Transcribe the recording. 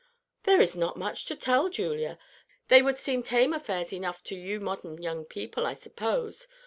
"There is not much to tell, Julia. They would seem tame affairs enough to you modern young people, I suppose.